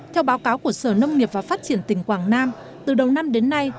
theo báo cáo của sở nông nghiệp và phát triển tỉnh quảng nam từ đầu năm đến nay